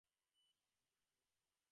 ভাশুর তো শ্বশুরের স্থানীয়।